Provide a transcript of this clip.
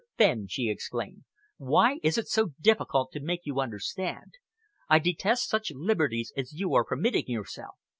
Fenn," she exclaimed, "why is it so difficult to make you understand? I detest such liberties as you are permitting yourself.